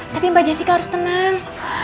tapi mbak jessy kak harus tenang